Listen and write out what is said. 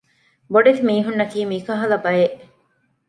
ބޮޑެތި މީހުންނަކީ މިކަހަލަ ބައެއް